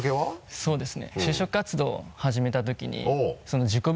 そうですね。